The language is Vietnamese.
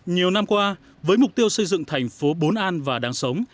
nhiều năm qua với mục tiêu xây dựng thành phố bốn an và đáng sống